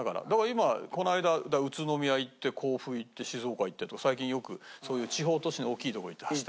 今この間宇都宮行って甲府行って静岡行って最近よくそういう地方都市の大きい所行って走ってます。